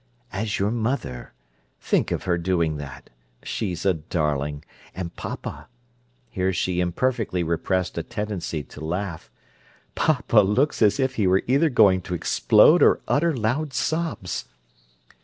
"As your mother! Think of her doing that! She's a darling! And papa"—here she imperfectly repressed a tendency to laugh—"papa looks as if he were either going to explode or utter loud sobs!"